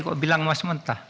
kok bilang emas mentah